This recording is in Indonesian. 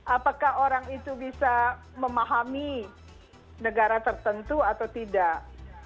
apakah orang itu bisa memahami negara tertentu atau tidak